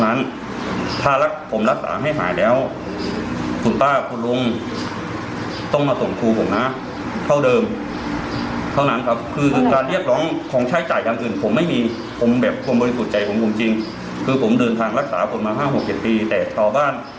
นั่นแหละเขาบอกเขาไม่ได้กลัวใครจะมาตรวจสอบอะไรก็มากันแล้วกัน